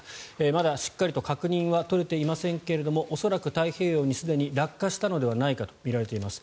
まだしっかりと確認は取れていませんが恐らく太平洋にすでに落下したのではないかとみられています。